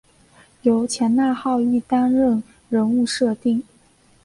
由前纳浩一担任人物设定。